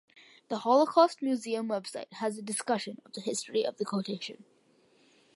The Holocaust Museum website has a discussion of the history of the quotation.